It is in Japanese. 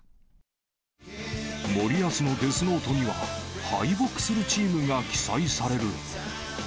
森保のデスノートには、敗北するチームが記載される。